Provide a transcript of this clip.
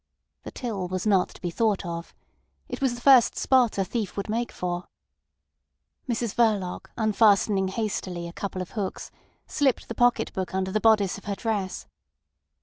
The till was not to be thought of. It was the first spot a thief would make for. Mrs Verloc unfastening hastily a couple of hooks, slipped the pocket book under the bodice of her dress.